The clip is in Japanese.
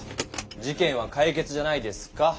事けんはかい決じゃないですか？